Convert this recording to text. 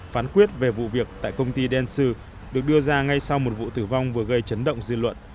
phán quyết về vụ việc tại công ty dels được đưa ra ngay sau một vụ tử vong vừa gây chấn động dư luận